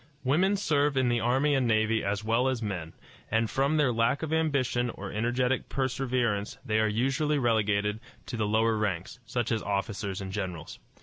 Women serve in the army and navy as well as men, and from their lack of ambition or energetic perseverance they are usually relegated to the lower ranks, such as officers and generals.